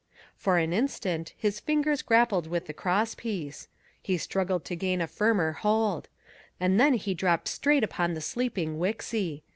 For an instant his fingers grappled with the cross piece; he struggled to gain a firmer hold; and then he dropped straight upon the sleeping Wixy.